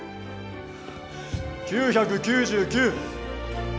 ９９９。